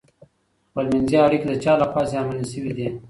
خپلمنځي اړیکې د چا له خوا زیانمنې سوي دي؟